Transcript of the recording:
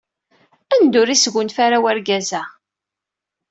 Anda ur isgunfa ara wergaz-a?